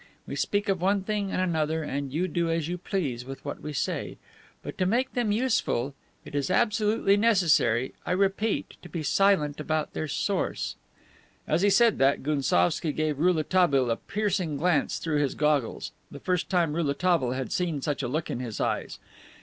We speak of one thing and another and you do as you please with what we say. But, to make them useful, it is absolutely necessary, I repeat, to be silent about their source." (As he said that, Gounsovski gave Rouletabille a piercing glance through his goggles, the first time Rouletabille had seen such a look in his eyes.